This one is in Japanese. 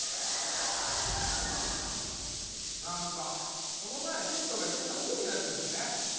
なんかこの前、店長が言っていたとおりの奴ですね。